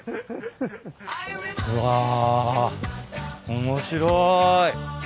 うわ面白い。